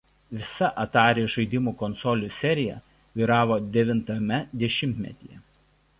Visa Atari žaidimų konsolių serija vyravo devintajame dešimtmetyje.